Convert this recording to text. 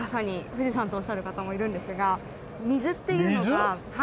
富士山とおっしゃる方もいるんですが水っていうのがテーマになって。